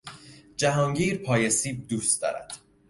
جهانگیر پای سیب دوست دارد.